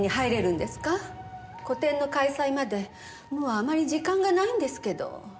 個展の開催までもうあまり時間がないんですけど。